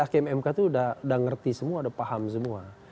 hakim mk itu sudah mengerti semua sudah paham semua